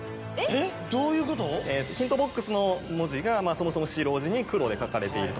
ボックスの文字がそもそも白地に黒で書かれていると。